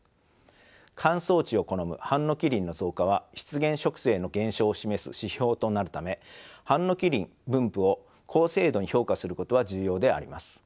乾燥地を好むハンノキ林の増加は湿原植生の減少を示す指標となるためハンノキ林分布を高精度に評価することは重要であります。